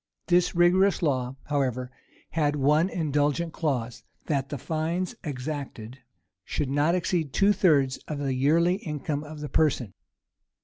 This rigorous law, however, had one indulgent clause, that the lines exacted should not exceed two thirds of the yearly income of the person.